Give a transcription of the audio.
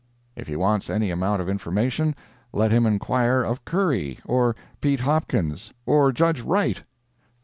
If he wants any amount of information, let him inquire of Curry, or Pete Hopkins, or Judge Wright.